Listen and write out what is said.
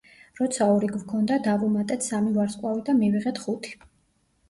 როცა ორი გვქონდა, დავუმატეთ სამი ვარსკვლავი და მივიღეთ ხუთი.